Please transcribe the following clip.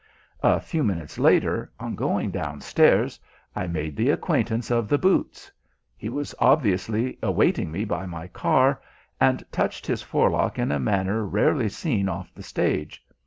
A few minutes later, on going downstairs, I made the acquaintance of the boots. He was obviously awaiting me by my car, and touched his forelock in a manner rarely seen off the stage.